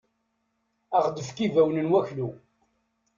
Ad aɣ-d-tefk ibawen n waklu.